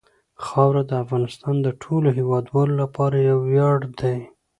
خاوره د افغانستان د ټولو هیوادوالو لپاره یو ویاړ دی.